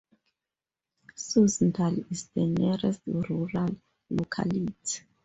Suzdal is the nearest rural locality.